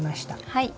はい。